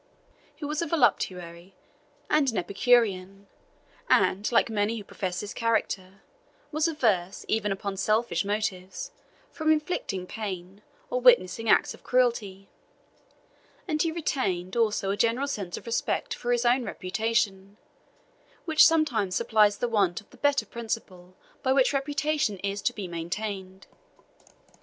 He was a voluptuary and an epicurean, and, like many who profess this character, was averse, even upon selfish motives, from inflicting pain or witnessing acts of cruelty; and he retained also a general sense of respect for his own reputation, which sometimes supplies the want of the better principle by which reputation is to be maintained.